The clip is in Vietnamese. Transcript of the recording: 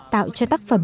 tạo cho tác phẩm